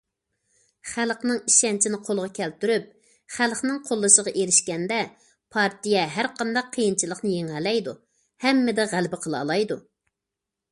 خەلقنىڭ ئىشەنچىنى قولغا كەلتۈرۈپ، خەلقنىڭ قوللىشىغا ئېرىشكەندە، پارتىيە ھەرقانداق قىيىنچىلىقنى يېڭەلەيدۇ، ھەممىدە غەلىبە قىلالايدۇ.